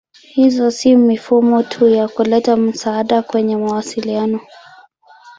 Hizo si mifumo tu ya kuleta msaada kwenye mawasiliano.